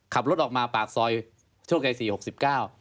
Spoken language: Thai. ขับรถออกมาปากซอยโชคชัยสี่หกสิบเก้า